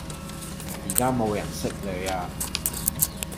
而家冇人識你呀